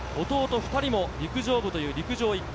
弟２人も陸上部という陸上一家。